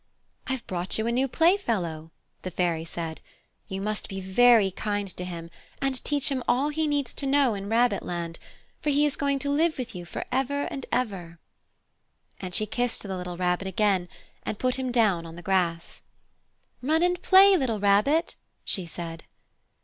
"I've brought you a new playfellow," the Fairy said. "You must be very kind to him and teach him all he needs to know in Rabbit land, for he is going to live with you for ever and ever!" And she kissed the little Rabbit again and put him down on the grass. "Run and play, little Rabbit!" she said.